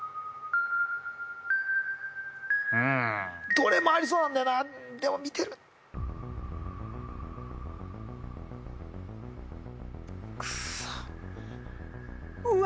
どれもありそうなんだよなでも見てるクッソうわ